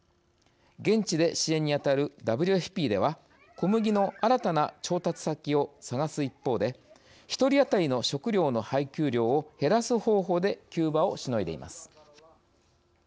現地で支援に当たるＷＦＰでは小麦の新たな調達先を探す一方で１人当たりの食糧の配給量を減らす方法で急場をしのいでいます。